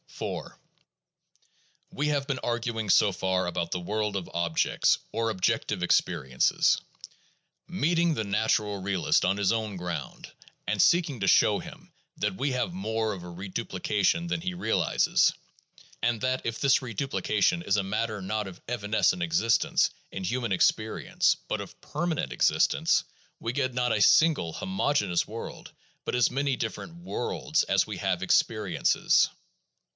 IV We have been arguing so far about the world of objects, or objec tive experiences ; meeting the natural realist on his own ground, and seeking to show him that we have more of a reduplication than he realizes, and that if this reduplication is a matter not of evanescent existence in human experience but of permanent existence, we get not a simple, homogeneous world, but as many different worlds as we have experiences.